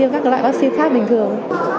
các bác sĩ khác bình thường